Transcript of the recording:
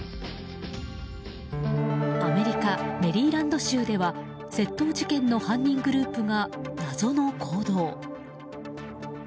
アメリカ・メリーランド州では窃盗事件の犯人グループが謎の行動。